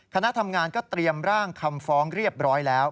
คณะทำงานก็เตรียมร่างคำฟ้องเรียบร้อยแล้ว